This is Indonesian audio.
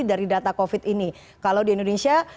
dari data covid ini kalau di indonesia